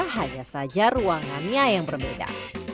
hanya saja ruangannya yang berbeda